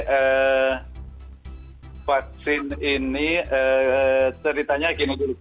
vaksin ini ceritanya gini